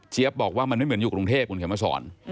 บอกว่ามันไม่เหมือนอยู่กรุงเทพคุณเขียนมาสอน